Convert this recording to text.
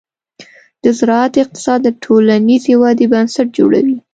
د زراعت اقتصاد د ټولنیزې ودې بنسټ جوړوي.